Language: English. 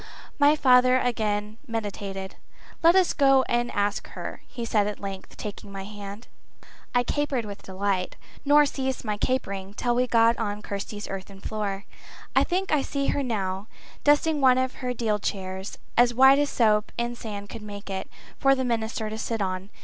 My father again meditated. "Let us go and ask her," he said at length, taking my hand. I capered with delight, nor ceased my capering till we stood on Kirsty's earthen floor. I think I see her now, dusting one of her deal chairs, as white as soap and sand could make it, for the minister to sit on.